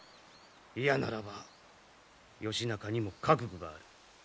嫌ならば義仲にも覚悟がある。